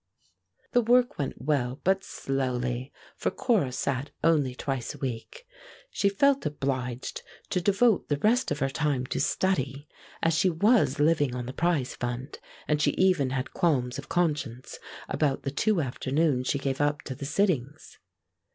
The work went well but slowly, for Cora sat only twice a week. She felt obliged to devote the rest of her time to study, as she was living on the prize fund, and she even had qualms of conscience about the two afternoons she gave up to the sittings.